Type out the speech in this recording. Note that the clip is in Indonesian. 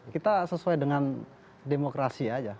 kita sesuai dengan demokrasi aja